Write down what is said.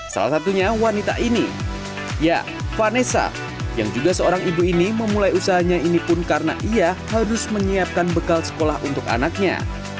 salah satunya wanita ini ya vanessa yang juga seorang ibu ini memulai usahanya ini pun karena ia harus menyiapkan bekal sekolah untuk anaknya